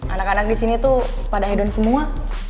anak anak disini tuh pada hedon semua